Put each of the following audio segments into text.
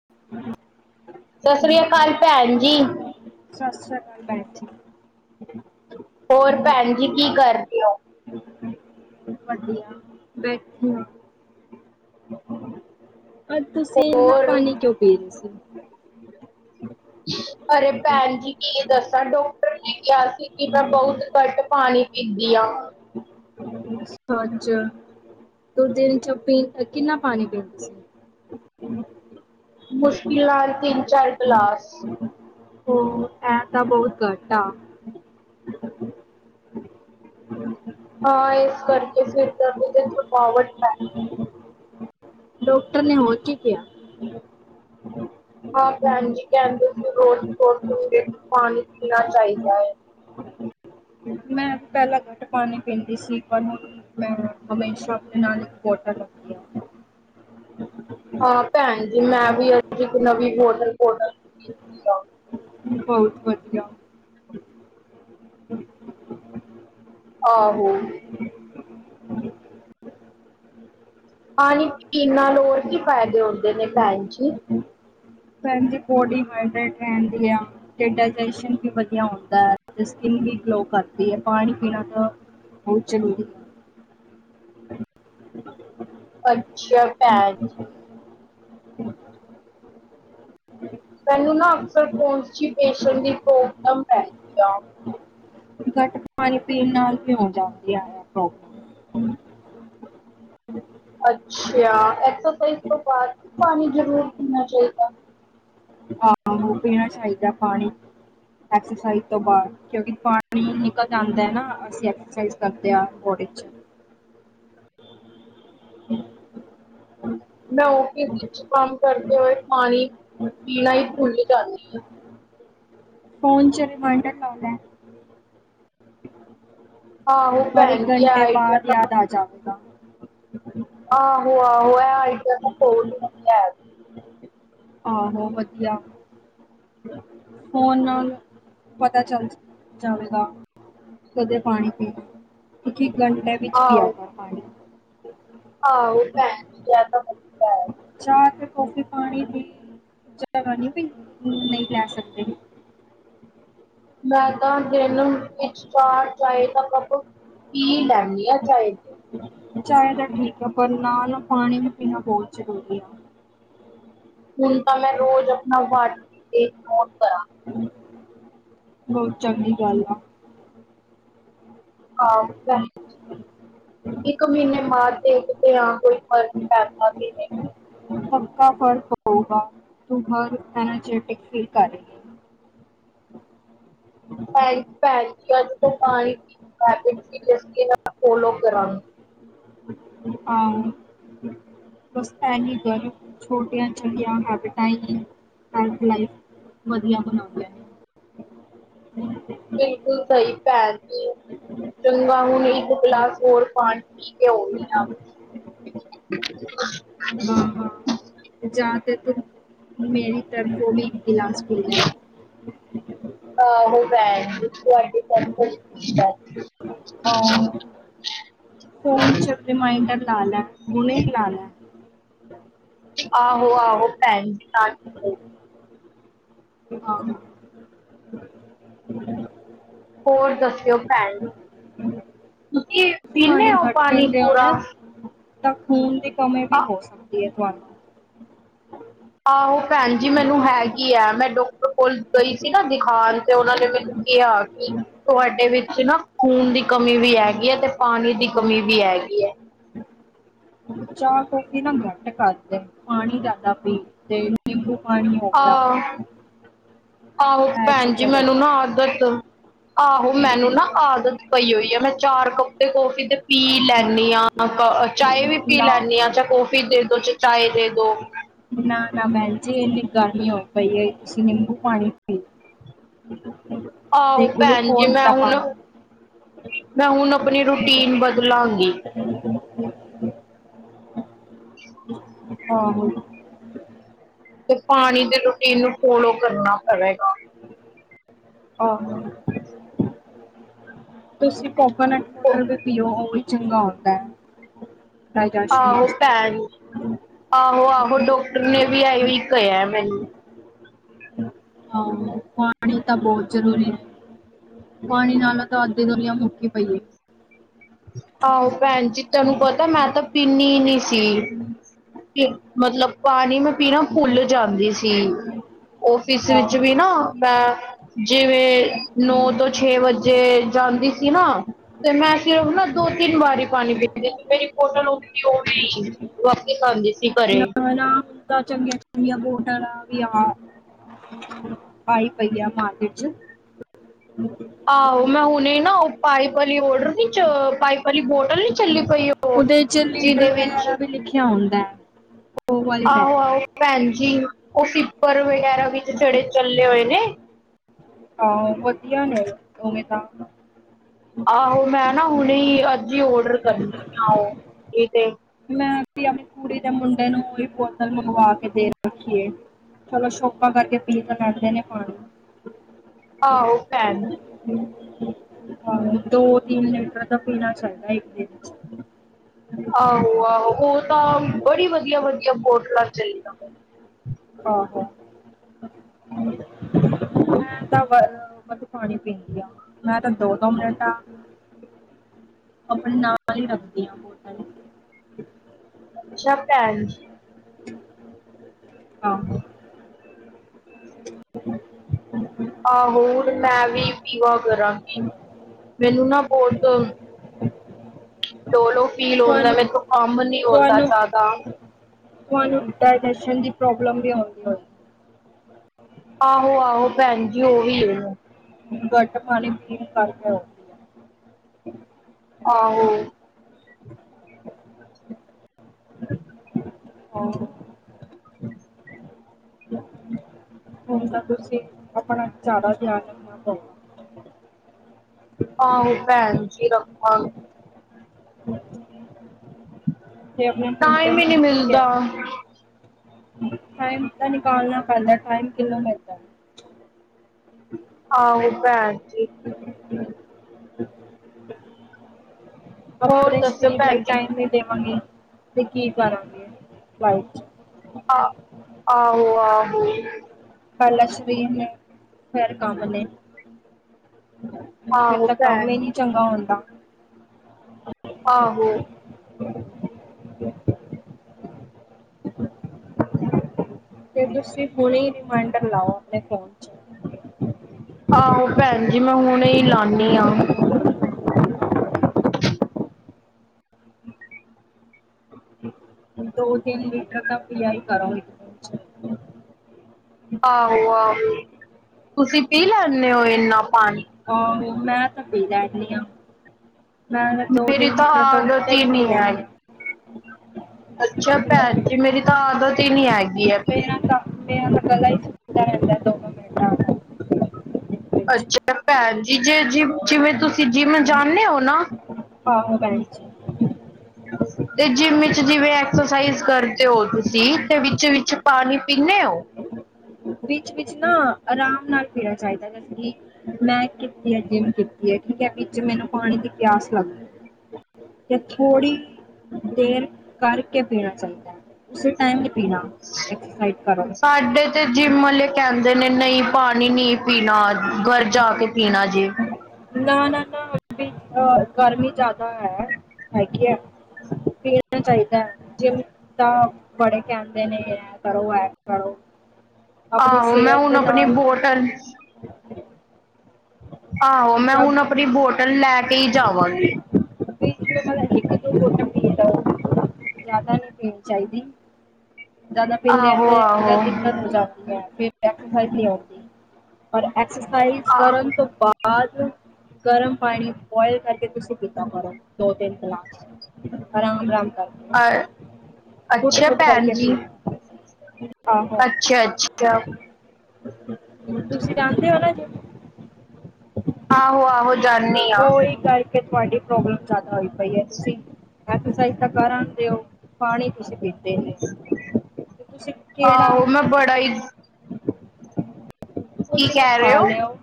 [inaudible] ਸਸ ਸ੍ਰੀ ਕਾਲ ਭੈਣ ਜੀ। ਹੋਰ ਸਤਿ ਸ੍ਰੀ ਆਕਾਲ ਪੈਣ ਜੀ ਹੋਰ ਪੈਣ ਜੀ ਕੀ ਕਰਦੇ ਔ ਵਦੀਆ, ਬੈਠੀ ਆ ਪਰ ਤੁਸੀਂ ਇੰਨਾ ਹੋਰ ਪਾਨੀ ਕਿਉਂ ਪੀ ਰਹੇ ਸੀ ਅਰੇ ਪੈਣ ਜੀ ਕੀ ਦੱਸਾਂ ਡੋਕਟਰ ਨੇ ਕਿਹਾ ਸੀ ਕਿ ਮੈਂ ਬਹੁਤ ਘੱਟ ਪਾਨੀ ਪੀਨੀ ਆ ਪੰਜ ਤੇ ਦਿਨ ਚੋਂ ਪੀ ਕਿੰਨਾ ਪਾਨੀ ਪੀਂਦੀ ਸੀ ਤੁਸੀ ਮੁਸ਼ਕਿਲ ਨਾਲ ਤਿੰਨ-ਚਾਰ ਗਲਾਸ ਹੋਰ ਇਹ ਤਾਂ ਬਹੁਤ ਘੱਟ ਆ ਹਾਂ ਇਸ ਕਰਕੇ ਫਿਰ ਸਿਰ ਦਰਦ ਤੇ ਥਕਾਵਟ ਆ ਡਾਕਟਰ ਨੇ ਹੋਰ ਕੀ ਕਿਹਾ ਹਾਂ ਪੈਣ ਜੀ ਕਹਿੰਦੇ ਸੀ ਰੋਜ਼ [unintelligible] ਪਾਨੀ ਪੀਨਾ ਚਾਹੀਦਾ ਹੈ। ਮੈਂ ਪਹਿਲਾਂ ਘੱਟ ਪਾਨੀ ਪੀਂਦੀ ਸੀ ਪਰ ਹੁਨ ਮੈਂ ਹਮੇਸ਼ਾ ਆਪਣੇ ਨਾਲ ਇੱਕ ਬੋਤਲ ਰੱਖਦੀ ਆ। ਹਾਂ ਪੈਣ ਜੀ ਮੈਂ ਵੀ ਅੱਜ ਇੱਕ ਨਵੀਂ ਬੋਤਲ [unintelligible] ਬਹੁਤ ਵਦੀਆ [unintelligible] ਆਹੋ ਪਾਨੀ ਪੀਨ ਨਾਲ ਹੋਰ ਕੀ ਫਾਇਦੇ ਹੁੰਦੇ ਨੇ ਪੈਣਜੀ ਤੇ ਬੋਡੀ ਹਾਇਡਰੇਟ ਰਹਿੰਦੀ ਆ ਡਾਇਟਜੇਸ਼ਨ ਵੀ ਵਦੀਆ ਹੁੰਦਾ ਹੈ, ਸਕਿਨ ਵੀ ਗਲੋ ਕਰਦੀ ਹੈ ਪਾਨੀ ਪੀਨਾ ਤੋਂ ਪਹੁੰਚੇ ਨੀਗੇ ਅੱਛਾ ਪੈਣ ਮੈਨੂੰ ਨਾ ਅਕਸਰ ਕੋਨਸ਼ੀਡੇਸ਼ਨ ਦੀ ਪ੍ਰੋਬਲਮ ਰਹਿੰਦੀ ਆ ਪਾਨੀ-ਪੀਨ ਨਾਲ ਵੀ ਹੋ ਜਾਂਦੀ ਐ ਇਹ ਪ੍ਰੋਬਲਮ ਅੱਛਾ ਐਕਸਰਸਾਈਜ਼ ਤੋਂ ਬਾਅਦ ਵੀ ਪਾਨੀ ਜ਼ਰੂਰ ਪੀਨਾ ਚਾਹੀਦਾ ਆਹੋ ਪੀਨਾ ਚਾਹੀਦਾ ਪਾਨੀ ਐਕਸਰਸਾਈਜ਼ ਤੋਂ ਬਾਅਦ ਕਿਉਂਕਿ ਪਾਨੀ ਨਿਕਲ ਜਾਂਦਾ ਏ ਨਾ ਅਸੀਂ ਐਕਸਰਸਾਈਜ਼ ਕਰਦੇ ਹਾਂ, ਬੋਡੀ ਚੋ [unintelligible] ਮੈਂ ਔਫਿਸ ਵਿੱਚ ਕੰਮ ਕਰਦੇ ਹੋਏ ਪਾਨੀ ਪੀਣਾ ਹੀ ਭੁੱਲ ਜਾਂਨੀ ਆ। ਫੋਨ ਚ ਰੀਮਾਡਰ ਲੇ ਲੈ। ਆਹੋ ਹਰ ਪੈਣ ਇੱਕ ਜੀ ਘੰਟੇ ਬਾਅਦ ਯਾਦ ਆ ਜਾਵੇਗਾ ਆਹੋ-ਆਹੋ, ਆ ਆਈਡੀਆ ਤਾ ਬਹੁਤ ਵਦੀਆ। ਆਹੋ ਵਦੀਆ ਹੂਨ ਪਤਾ ਚੱਲ ਜਾਵੇਗਾ ਕਦੇ ਪਾਨੀ ਪੀਨਾ ਇੱਕ-ਇੱਕ ਘੰਟੇ ਵਿੱਚ ਪਿਆ ਆਹੋ ਕਰ ਪਾਨੀ ਆਹੋ ਇਹ ਤਾ ਹੈਂ [unintelligible] ਚਾਹ ਤੇ ਕੌਫੀ ਪਾਨੀ ਦੀ ਜਗਾ ਵੀ ਨਹੀਂ ਲੈ ਸਕਦੇ ਮੈਂ ਤਾਂ ਦਿਨ ਵਿੱਚ ਚਾਰ ਚਾਹ ਦਾ ਕੱਪ ਪੀ ਲੈਣੀ ਆ ਚਾਏ। ਚਾਹੇ ਤਾਂ ਠੀਕ ਆ, ਪਰ ਨਾਲ-ਨਾਲ ਪਾਨੀ ਵੀ ਪੀਨਾ ਬਹੁਤ ਜ਼ਰੂਰੀ ਆ ਹੁਨ ਤਾਂ ਮੈਂ ਰੋਜ਼ ਅਪਨਾ ਵਟ ਬਹੁਤ ਚੰਗੀ ਗੱਲ ਆ [unintelligible] ਇੱਕ ਮੀਨੇ ਮਾਰ ਦੇ ਕਿਤੇ ਆਪ ਵੀ [unintelligible] ਪੱਕਾ ਫਰਕ ਪਊਗਾ, ਤੂੰ ਘਰ ਐਨਰਜੈਟਿਕ ਫੀਲ ਕਰੇ। [inaudible] [unintelligible] ਹਾਂ, ਬਸ ਐਹੀ ਛੋਟੀਆਂ ਚਛੜੀਆਂ ਹੈਬਿਟਾਂ ਲਾਈਫ ਚ। ਵਦੀਆ ਬਨਾਂਦੈ। ਬਿਲਕੁਲ, ਸਈ ਭੈਣ ਜੀ। ਚੰਗਾ ਹੁਨ, ਇੱਕ ਗਿਲਾਸ ਹੋਰ ਪਾਨੀਂ ਤ [unintelligible] ਨੇ ਹਾਂ [inaudible] ਹਾਂ ਜਾਂ ਤੇ ਤੁ ਮੇਰੀ ਤਰਾਂ ਓ ਵੀ ਗਿਲਾਸ ਪੀਲੈ। ਆਹ ਉਹ ਬੈਟਰੀ ਔਰ [unintelligible] [inaudible] ਫੋਨ ਚ ਰੀਮਾਇੰਡਰ ਲਾਲੈ ਹੁਨੇ ਈ ਲਾਲੈ। ਆਹੋ-ਆਹੋ, ਭੈਣ ਜੀ। ਹਾਂ [inaudible] ਹੋਰ ਦੱਸਿਓ ਭੈਣ, ਤੁਸੀ ਪੀਣੇ ਓ ਪਾਣੀ ਪੂਰਾ? ਯਾਂ ਖੂਨ ਦੀ ਕਮੀ ਵੀ ਆ- ਹੋ ਸਕਦੀ ਏ ਤੁਆਨੂੰ? ਆਹੋ ਭੈਣ ਜੀ, ਮੈਨੂੰ ਹੈਗੀਆ ਮੈਂ ਡਾਕਟਰ ਕੋਲ ਗਈ ਸੀ ਨਾ ਦਿਖਾਣ ਤੇ ਓਨਾਂ ਨੇ ਮੈਨੂੰ ਕੇਆ ਕੀ ਤੁਆਡੇ ਵਿੱਚ ਨਾ ਖੂਨ ਦੀ ਕਮੀ ਵੀ ਹੈਗੀਆ, ਤੇ ਪਾਣੀ ਦੀ ਕਮੀ ਵੀ ਹੈਗੀਏ। ਚਾਹ-ਕੌਫੀ ਨਾ ਘੱਟ ਕਰਦੇ ਪਾਣੀ ਜਾਦਾ ਪੀ ਤੇ ਨਿੰਬੂ ਪਾਣੀ ਹੋ ਹੋ ਗਯਾ। ਆਹ ਆਹੋ ਭੈਣ ਜੀ, ਮੈਨੂੰ ਨਾ ਆਦਤ ਆਹੋ ਮੈਨੂੰ ਨਾ ਆਦਤ ਪਈ ਹੋਈਏ, ਮੈਂ ਚਾਰ ਕਪੜੇ ਧੋਕੇ ਤੇ ਪੀ ਲੈਨੀਂ ਆ। ਚਾਏ ਵੀ ਪੀ ਨਾ ਲੈਂਨੀਂਆ ਯਾਂ ਕੌਫੀ ਦੇਦੋ ਚਾਏ ਚਾਏ ਦੇਦੋ। ਨਾ-ਨਾ ਮੈ ਜੀ ਏਨੀ ਗੱਲ ਨਈ ਹੋਈ ਪਈ, ਤੁਸੀਂ ਨਿੰਬੂ ਪਾਣੀ [inaudible] ਆਹੋ ਭੈਣ ਜੀ, ਗਲੂਕੋਜ਼ ਮੈਂ ਦਾ ਹੁਨ ਪਾਣੀ ਮੈਂ ਹੁਨ ਅਪਨੀ ਰੂਟੀਨ ਬਦਲਾਂਗੀ। [inaudible] [inaudible] ਆਹੋ। ਤੇ ਪਾਣੀ ਦੇ ਰੂਟੀਨ ਨੂੰ ਫੋਲੋ ਕਰਨਾ ਪਏਗਾ। ਆਹ [unintelligible] ਤੁਸੀਂ ਕੋਕੋਨਟ ਵੋਟਰ ਵੀ ਪੀਓ, ਓਵੀ ਚੰਗਾ ਹੁੰਦੈ। ਆਹੋ ਭੈਣ, ਆਹੋ-ਆਹੋ ਡਾਕਟਰ ਨੇ ਵੀ ਐਹੋ ਕੇਯਾ ਮੈਨੂੰ। ਆਹੋ ਪਾਣੀ ਤਾਂ ਬਹੋਤ ਜਰੂਰੀ ਐ। ਪਾਣੀ ਨਾਲੋਂ ਤਾਂ ਅੱਧੀ ਦੁਨੀਆਂ ਮੁੱਕੀ ਪਈਏ। ਆਹੋ ਭੈਣ ਜੀ। ਤੈਨੂੰ ਪਤੈ ਮੈਂ ਤਾਂ ਪੀਂਨੀ ਈ ਨੀਸੀ, ਮਤਲਬ ਪਾਣੀ ਨੂੰ ਪੀਣਾ ਭੁੱਲ ਜਾਂਦੀ ਸੀ, ਓਫਿਸ ਆਹੋ ਵਿੱਚ ਵੀ ਨਾ ਮੈਂ ਜਿਵੇਂ ਨੌ ਤੋਂ ਛੇ ਵੱਜੇ ਜਾਂਦੀ ਸੀ ਨਾ, ਤੇ ਮੈਂ। ਤੇ ਉਹ ਨਾ ਦੋ ਤਿੰਨ ਵਾਰੀ ਪਾਣੀ ਪੀਦੇ, ਮੇਰੀ ਬੋਟਲ ਹੋ ਈ ਵਾਪਿਸ ਆਦੇ ਸੀ ਘਰੇ। ਹਨਾ ਹੁਣ ਤਾਂ ਚੰਗੀਆਂ ਚੰਗੀਆਂ ਬੋਟਰਾ ਵੀ ਆਹ ਆਈ ਪਈ ਆ ਮਾਰਕੀਟ 'ਚ। ਆਹੋ ਮੈਂ ਹੁਣੇ ਨਾ ਉਹ ਪਾਈਪ ਵਾਲੀ ਓਡਰ ਨੀ ਚ ਪਾਈਪ ਵਾਲੀ ਬੋਟਲ ਨੀ ਚੱਲੀ ਪਈ ਓ। ਉਹਦੇ ਚ ਲੀਟਰ ਵਗੈਰਾ ਵੀ ਲਿਖਿਆ ਹੁੰਦਾ ਐ। ਆਹੋ-ਆਹੋ ਭੈਣ ਜੀ ਉਹ ਸੀਪਰ ਵਗੈਰਾ ਵਿੱਚ ਛੜੇ ਚੱਲੇ ਹੋਏ ਨੇ। ਆਹੋ ਵਧੀਆ ਨੀ ਹੈਗਾ ਉਵੇਂ ਤਾਂ। ਆਹੋ ਮੈਂ ਨਾ ਹੁਣੇ ਅੱਜ ਈ ਓਡਰ ਕਰਨੀ ਆ, ਉਹ ਇਹ ਤੇ ਮੈਂ। ਮਾਸੀ ਦੇ ਮੁੰਡੇ ਓਈ ਬੋਤਲ ਮੰਗਵਾ ਕੇ ਦੇ ਰੱਖੀ ਏ। ਚਲੋ ਸ਼ੋਕਾ ਕਰਕੇ ਪੀ ਤਾਂ ਲੈਂਦੇ ਨੇ ਪਾਣੀ। ਆਹੋ ਭੈਣ ਹਾਂ ਦੋ ਤਿੰਨ ਲੀਟਰ ਤਾ ਪੀਣਾ ਚਾਹੀਦਾ ਇੱਕ ਦਿਨ 'ਚ। ਆਹੋ ਆਹੋ ਉਹ ਤਾਂ ਬੜੀ ਵਧੀਆ ਵਧੀਆ ਬੋਟਲਾ ਚੱਲੀਆਂ। ਆਹੋ। ਮੈਂ ਤਾਂ ਵ ਵੱਧ ਪਾਣੀ ਪੀਂਦੀ ਆਂ, ਮੈਂ ਤਾਂ ਦੋ-ਦੋ ਮਿੰਟਾਂ। ਆਪਣੇ ਨਾਲ ਈ ਰੱਖਦੀ ਬੋਟਲ। ਅੱਛਾ ਭੈਣ ਜੀ। ਆਹੋ। ਆਹੋ, ਹੁਣ ਮੈਂ ਵੀ ਪੀਵਾ ਕਰਾਂਗੀ। ਮੈਨੂੰ ਨਾ ਬਹੁਤ ਲੋਹ-ਲੋਹ ਫੀਲ ਹੁੰਦਾ, ਮੇਕੋ ਤਹਾਨੂੰ, ਤਹਾਨੂੰ ਡਾਇਟੈਸਨ ਦੀ ਪ੍ਰੋਬਲਮ ਵੀ ਹੁੰਦੀ ਹੋਏਗੀ। ਆਹੋ-ਆਹੋ ਭੈਣ ਜੀ ਉਹ ਵੀ ਐ, ਗੱਟ ਪਾਣੀ ਪੀਣ ਕਰਕੇ ਹੋਗਿਆ। ਆਹੋ। ਹਾਂ। ਔਰ ਹੁਣ ਤਾਂ ਤੁਸੀਂ ਆਪਣਾ ਜ਼ਿਆਦਾ ਧਿਆਨ ਰੱਖਣਾ ਪਉਗਾ। ਆਹੋ ਭੈਣ ਜੀ ਆਪਾ ਨੂੰ ਫੇਰ [unintelligible] ਟਾਈਮ ਹੀ ਨਹੀਂ ਨੂੰ, ਵੀ ਮਿਲਦਾ ਕਿਹਾ ਟਾਈਮ ਤਾਂ ਨਿਕਾਲਣਾ ਪੈਂਦਾ ਟਾਈਮ ਕਿਨੂੰ ਮਿਲਦਾ। ਆਹੋ ਭੈਣ ਜੀ। [inaudible] ਹੋਰ ਆਪਣੇ ਦੱਸੋ ਸਰੀਰ ਲਈ ਭੈਣ ਜੀ ਟਾਇੰਮ‌ ਨੀ ਦੇਵਾਂਗੇ, ਤੇ ਕੀ ਕਰਾਂਗੇ ਆ ਆਹੋ-ਆਹੋ। ਪਹਿਲਾਂ ਸਰੀਰ ਨੇ, ਫਿਰ ਕੰਮ ਨੇ। ਫੇਰ ਆਹੋ ਤਾਂ ਕੰਮ ਭੈਣ ਈ ਨੀ ਚੰਗਾ ਹੁੰਦਾ। ਆਹੋ। ਤੇ ਤੁਸੀਂ ਹੁਣੇ ਈ ਰੀਮਾਇਡਰ ਲਾਓ ਆਪਣੇ ਫ਼ੋਨ ਚ, ਆਹੋ ਭੈਣ ਜੀ ਮੈਂ ਹੁਣੇ ਹੀ ਲਾਨੀ ਆ। [inaudible] ਦੋ-ਤਿੰਨ ਲੀਟਰ ਦਾ ਪੀਆ ਈ ਕਰਾਂਗੇ। ਆਹੋ-ਆਹੋ, ਤੁਸੀਂ ਪੀ ਲੈਂਨੇ ਔ ਇੰਨਾ ਪਾਣੀ? ਆਹੋ ਮੈਂ ਤਾਂ ਪੀ ਲੈਂਨੀ ਆ। ਮੈਂ ਤਾ ਮੇਰੀ ਦੋ-ਤਿੰਨ ਤਾਂ ਲੀਟਰ ਤੋਂ ਆਦਤ ਉੱਤੇ ਹੀ ਵੀ ਪੀ ਨਹੀਂ ਹੈ ਲੈਂਨੀ ਆਂ। ਅੱਛਾ ਭੈਨ ਜੀ ਮੇਰੀ ਤਾਂ ਆਦਤ ਈ ਨੀ ਹੈਗੀ ਐ। ਇਨ੍ਹਾਂ ਦਾ ਮੇਰਾ ਤਾ ਗਲਾ ਈ ਸੁੱਕ [unintelligible] ਤੱਕ ਵਿੱਚ ਅੱਛਾ ਭੈਨ ਜੀ, ਜੇ ਜਿਮ ਜਿਵੇਂ ਤੁਸੀ ਜਿੰਮ ਜਾਨੇ ਓ ਨਾ। ਆਹੋ ਭੈਨ ਜੀ। ਤੇ ਜਿੰਮ ਇਚ ਜਿਵੇਂ ਐਕਸਰਸਾਈਜ਼ ਕਰਦੇ ਓ ਤੁਸੀ ਤੇ ਵਿੱਚ-ਵਿੱਚ ਪਾਨੀ ਪੀਨੇ ਓ? ਵਿੱਚ-ਵਿੱਚ ਨਾ ਆਰਾਮ ਨਾਲ ਪੀਣਾ ਚਾਈਦਾ ਜਦਕਿ ਮੈਂ ਕੀਤੀ ਐ ਜਿੰਮ ਕੀਤੀ ਐ ਠੀਕ ਐ ਵਿਚ ਮੈਨੂੰ ਪਾਣੀ ਦੀ ਪਿਆਸ ਲੱਗਗੀ। ਤੇ ਥੋੜ੍ਹੀ, ਦੇਰ ਕਰਕੇ ਪੀਣਾ ਚਾਈਦੈ। ਉਸੇ ਟਾਇਮ ਨੀ ਪੀਣਾ ਐਕਸਾਈਜ਼ ਕਰਨ ਤੋ ਸਾਡੇ ਤੇ ਜਿੰਮ ਵਾਲੇ ਕੈਂਦੇ ਨੇ ਨਈ ਪਾਣੀ ਨੀ ਪੀਣਾ ਘਰ ਜਾ ਕੇ ਪੀਣਾ ਜੇ। ਨਾ-ਨਾ, ਨਾ ਬਈ ਆ ਗਰਮੀ ਜਆਦਾ ਐ ਹੈਗੀ ਐ। ਪੀਨਾ ਚਾਈਦੈ ਜੇ ਤਾਂ ਬੜੇ ਕੈਂਦੇ ਨੇ ਐ ਕਰੋ, ਐ ਕਰੋ। ਆਪਨੀ ਆਹੋ ਮੈਂ ਸੇਅਤ ਹੁਣ ਦੇ ਆਪਣੀ ਨਾਲ ਬੋਟਲ ਆਹੋ, ਮੈ ਜਬ ਹੁਨ ਆਪਣੀ ਬੋਟਲ ਲੈ ਕੇ ਈ ਜਾਵਾਂਗੀ। [unintelligible] ਜਆਦਾ ਨੀ ਪੀਨੀ ਚਾਈਦੀ। ਜਆਦਾ ਪੀਂਦੇ ਆ ਆਹੋ ਤੇ ਅੰਦਰ ਆਹੋ ਦਿੱਕਤ ਹੋ ਜਾਂਦੀ ਐ ਫੇ ਐਕਸਰਸਾਈਜ਼ ਨੀ ਹੋਂਦੀ ਪਰ ਐਕਸਰਸਾਈਜ਼ ਕਰਨ ਤੋਂ ਬਾਅ ਬਾਅਦ ਗਰਮ ਪਾਣੀ ਬੋਆਇਲ ਕਰਕੇ ਤੁਸੀ ਪੀਤਾ ਹੋਣਾ ਦੋ-ਤਿੰਨ ਗਲਾਸ। ਆਰਾਮ-ਰਾਮ ਕਰਕੇ ਅੱਛਾ ਘੁੱਟ-ਘੁੱਟ ਭੈਣ ਕਰਕੇ ਜੀ ਪੀਓ। ਆਹੋ, ਅੱਛਾ ਅੱਛਾ ਤੁਸੀ ਜਾਨਦੇ ਓ ਨਾ ਜਿੰਮ? ਆਹੋ-ਆਹੋ ਜਾਨੀ ਆਂ। ਤੁਆਡੀ ਪ੍ਰੋਬਲਮ ਜਿਆਦਾ ਹੋਈ ਪਈ ਐ ਤੁਸੀ ਐਕਸਰਸਾਈਜ਼ ਤਾਂ ਕਰ ਆਂਦੇ ਓ ਪਾਣੀ ਤੁਸੀ ਪੀਤੇ ਨੀ ਤੇ ਤੁਸੀ ਆਹੋ, ਮੈ ਬੜਾ ਈ ਕੀ ਕੁਝ ਵੀ ਕਹਿ ਰਹੇ ਖਾ ਹੋ ਲਿਓ।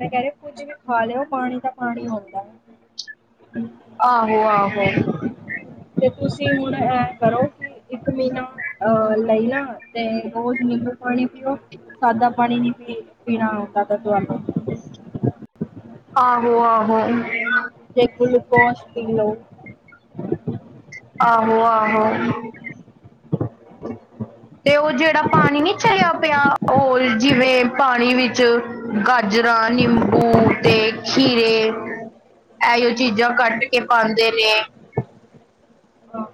ਮੈਂ ਕੈ ਰੀ ਕੁੱਝ ਵੀ ਖਾ ਲਿਓ ਪਾਣੀ ਤਾ ਪਾਣੀ ਹੁੰਦਾ ਐ। ਆਹੋ ਆਹੋ ਤੇ ਤੁਸੀ ਹੁਣ ਐਂ ਕਰੋ ਕਿ ਇੱਕ ਮੀਨਾ ਅ ਲਈ ਨਾ ਤੇ ਰੋਜ ਨਿੰਬੂ ਪਾਣੀ ਪੀਓ। ਸਾਦਾ ਪਾਣੀ ਨੀ ਪੀ ਪੀਣਾ ਜ਼ਾਦਾ ਤੁਆਨੂੰ। ਆਹੋ-ਆਹੋ। ਤੇ ਗੁਲੂਕੋਸ਼ ਪੀ ਲੋ। ਆਹੋ-ਆਹੋ। ਤੇ ਓ ਜੇੜਾ ਪਾਣੀ ਨੀ ਚਲਿਆ ਪਿਆ ਓਲ ਜਿਵੇਂ ਪਾਣੀ ਵਿੱਚ ਗਾਜਰਾਂ, ਨਿੰਬੂ ਤੇ ਖੀਰੇ ਐਇਓ ਚੀਜਾਂ ਕੱਟ ਕੇ ਪਾਂਦੇ ਨੇ ਹਾਂ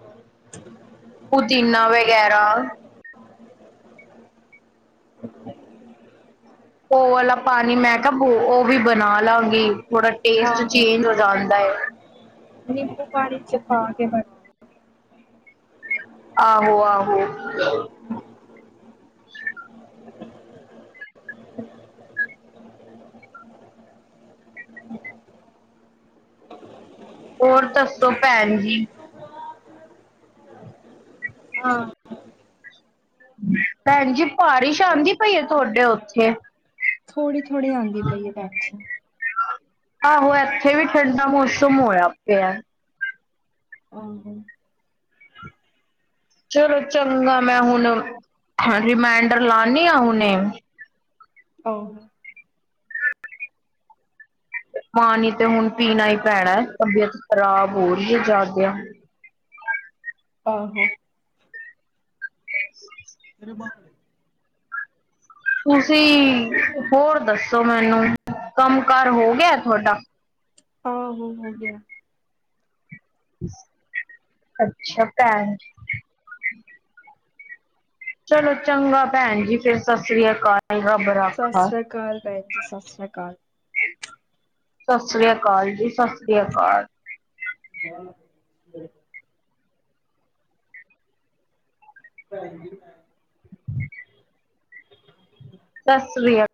ਪੁਦੀਨਾ ਵਗੈਰਾ। ਓ ਵਾਲਾ ਪਾਣੀ ਮੈਂ ਕਿਆ ਓ ਵੀ ਬਣਾ ਲਾਂਗੀ ਥੋੜਾ ਟੇਸਟ ਹਾਂ ਚੇਂਜ ਹੋ ਜਾਂਦਾ ਏ। ਓ ਪਾਣੀ ਚ ਪਾ ਕੇ ਫੜ ਆਹੋ ਆਹੋ। ਹੋਰ ਦੱਸੋ ਭੈਨ ਜੀ? ਹਾਂ ਭੈਣ ਜੀ, ਭਾਰਿਸ਼ ਆਂਦੀ ਪਈ ਏ ਤੁਆਡੇ ਓਥੇ ਥੋੜੀ-ਥੋੜੀ ਆਂਦੀ ਪਈਏ, ਭੈਣ ਜੀ। ਆਹੋ, ਏਥੇ ਵੀ ਠੰਡਾ ਮੌਸਮ ਹੋਇਆ ਪੇਆ। ਆਹੋ। ਚਲੋ ਚੰਗਾ ਮੈਂ ਹੁਣ, ਰੀਮੈਂਡਰ ਲਾਨੀ ਮੈਂ ਹੁਨੇ। ਔਰ ਪਾਣੀ ਤੇ ਹੁਨ ਪੀਣਾ ਈ ਪੈਨੈ, ਤਬੀਅਤ ਖਰਾਬ ਹੋ ਰਿਐ ਜਾਦਾ। ਆਹੋ। [inaudible] [inaudible] ਤੁਸੀ ਹੋਰ ਦੱਸੋ ਮੇਨੂੰ ਕੰਮ-ਕਾਰ ਹੋ ਗਯਾ ਤੁਆਡਾ? ਆਹ, ਹੋ ਗਯਾ। ਅੱਛਾ ਭੈਨ ਚਲੋ ਚੰਗਾ ਭੈਣ ਜੀ, ਫੇਰ ਸਸ ਸ੍ਰੀ ਕਾਲ। [unintelligible] ਸਸ ਸ੍ਰੀ ਅਕਾਲ ਭੈਣ ਜੀ, ਸਸ ਸ੍ਰੀ ਅਕਾਲ। ਸਸ ਸ੍ਰੀ ਅਕਾਲ ਜੀ, ਸਸਸ੍ਰੀ ਅਕਾਲ। [inaudible] [unintelligible] [inaudible] ਸਸ ਸ੍ਰੀ